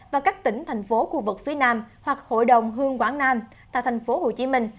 và các tỉnh thành phố khu vực phía nam hoặc hội đồng hương quảng nam tại thành phố hồ chí minh